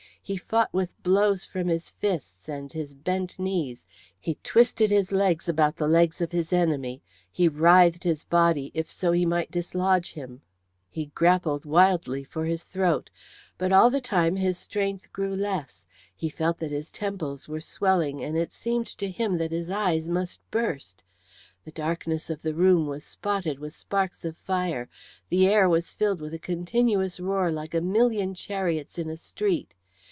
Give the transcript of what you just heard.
He fought with blows from his fists and his bent knees; he twisted his legs about the legs of his enemy; he writhed his body if so he might dislodge him; he grappled wildly for his throat. But all the time his strength grew less; he felt that his temples were swelling, and it seemed to him that his eyes must burst. The darkness of the room was spotted with sparks of fire; the air was filled with a continuous roar like a million chariots in a street.